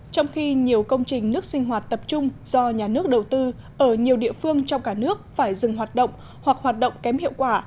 trong khi nhiều công trình nước sinh hoạt tập trung do nhà nước đầu tư ở nhiều địa phương trong cả nước phải dừng hoạt động hoặc hoạt động kém hiệu quả